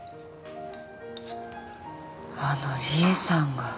あの理恵さんが。